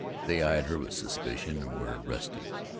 They eyed her with suspicion and were restive.